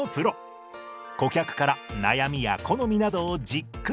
顧客から悩みや好みなどをじっくりと聞き出します。